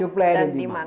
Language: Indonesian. supply dan demand